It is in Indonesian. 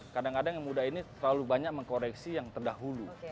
kadang kadang yang muda ini terlalu banyak mengkoreksi yang terdahulu